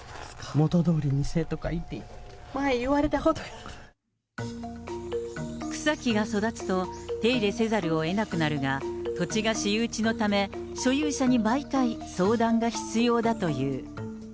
元どおりにせえとかいって、前、草木が育つと、手入れせざるをえなくなるが、土地が私有地のため、所有者に毎回、相談が必要だという。